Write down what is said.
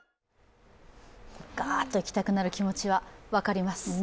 ガーッといきたくなる気持ちは分かります。